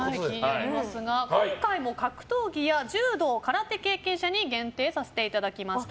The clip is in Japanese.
今回も格闘技や柔道・空手経験者に限定させていただきました。